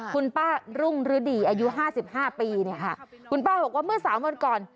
คุณป้ารุ่งฤดีอายุ๕๕ปีคุณป้าบอกว่าเมื่อ๓วันก่อน